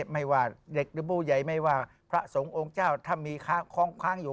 ไม่ว่าเด็กหรือผู้ใหญ่ไม่ว่าพระสงฆ์องค์เจ้าถ้ามีค้างอยู่